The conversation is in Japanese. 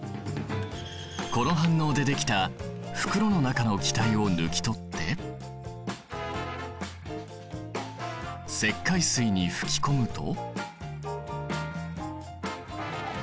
この反応でできた袋の中の気体を抜き取って石灰水に吹き込むと。